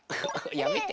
やめて。